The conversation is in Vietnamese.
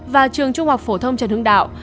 và trường trung học phổ thông trần hưng đạo